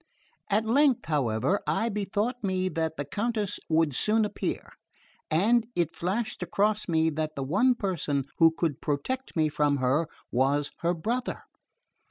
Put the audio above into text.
At length however I bethought me that the Countess would soon appear; and it flashed across me that the one person who could protect me from her was her brother.